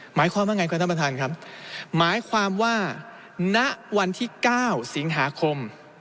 หมายความว่าไงครับท่านประธานครับหมายความว่าณวันที่๙สิงหาคม